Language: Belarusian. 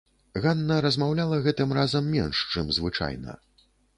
Ганна размаўляла гэтым разам менш, чым звычайна.